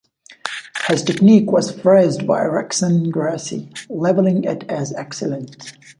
His technique was praised by Rickson Gracie, labelling it as excellent.